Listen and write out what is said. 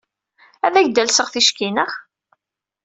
Ad ak-d-alseɣ ticki, naɣ?